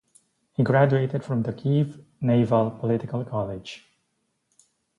He graduated from the Kiev Naval Political College.